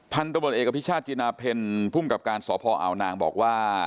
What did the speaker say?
พันธุบัลเอกพิชาชจินาเพลพุ่งกับการสอบพ่ออาวนางบอกว่า